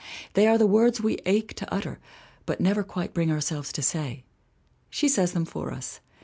They are the words we ache to utter but never quite bring ourselves to say. She says them for us.